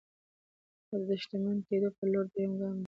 دا د شتمن کېدو پر لور درېيم ګام دی.